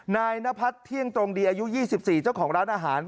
นายนพัฒน์เที่ยงตรงดีอายุ๒๔เจ้าของร้านอาหาร